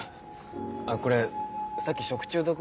あっこれさっき食中毒